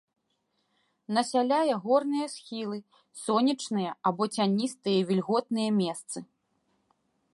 Насяляе горныя схілы, сонечныя або цяністыя вільготныя месцы.